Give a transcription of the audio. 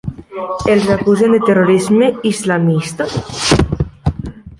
Els acusen de terrorisme islamista?